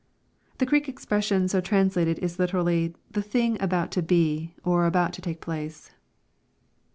] The Greek expression so translated is literally " the thing about to be, or about to take place."